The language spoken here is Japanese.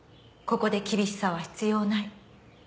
ここで厳しさは必要ない。